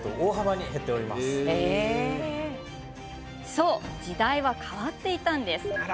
そう、時代は変わっていたんです。